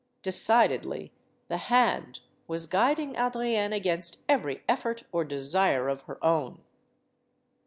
De cidedly, the Hand was guiding Adrienne against every effort or desire of her own.